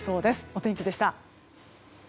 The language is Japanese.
お天気でした。